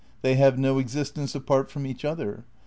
They have no existence apart from each other.